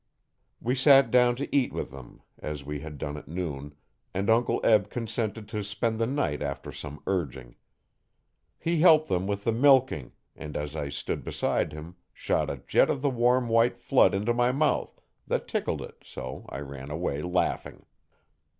We sat down to eat with them, as we had done at noon, and Uncle Eb consented to spend the night after some urging. He helped them with the milking, and as I stood beside him shot a jet of the warm white flood into my mouth, that tickled it so I ran away laughing.